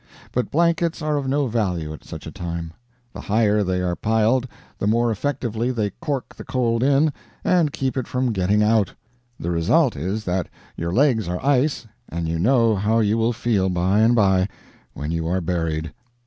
But blankets are of no value at such a time; the higher they are piled the more effectively they cork the cold in and keep it from getting out. The result is that your legs are ice, and you know how you will feel by and by when you are buried.